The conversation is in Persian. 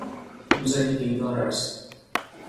او زنی دیندار است.